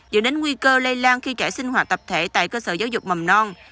dựa đến nguy cơ lây lan khi trẻ sinh hoạt tập thể tại cơ sở giáo dục mầm non